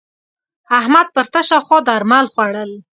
احمد پر تشه خوا درمل خوړول.